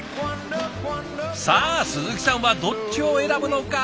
さあ鈴木さんはどっちを選ぶのか。